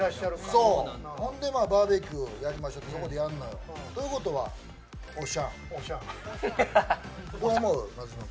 ほんでバーベキューやりましょうって、そこでやるのよ。ということは、おしゃん。